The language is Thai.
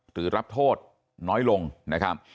หรือรับโทษน้อยลงนะครับ